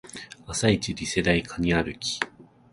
朝イチリセ台カニ歩き